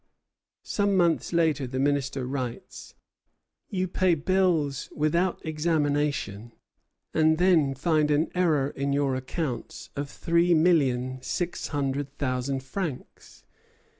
Some months later the Minister writes: "You pay bills without examination, and then find an error in your accounts of three million six hundred thousand francs.